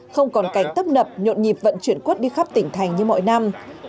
không còn cảnh tấp nập nhộn nhịp vận chuyển quất đi khắp tỉnh thành như mọi năm